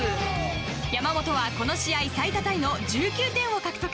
山本はこの試合最多タイの１９点を獲得。